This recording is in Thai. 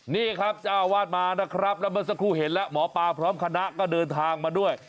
นี่ครับเจ้าอาวาสมานะครับแล้วเมื่อสักครู่เห็นแล้วหมอปลาพร้อมคณะก็เดินทางมาด้วย